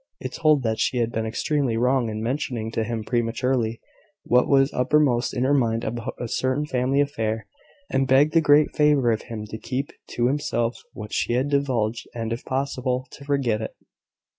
It told that she had been extremely wrong in mentioning to him prematurely what was uppermost in her mind about a certain family affair, and begged the great favour of him to keep to himself what she had divulged, and, if possible, to forget it.